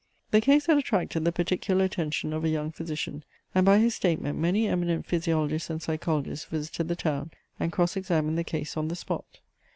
The case had attracted the particular attention of a young physician, and by his statement many eminent physiologists and psychologists visited the town, and cross examined the case on the spot.